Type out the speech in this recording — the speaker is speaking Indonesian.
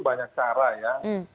banyak cara ya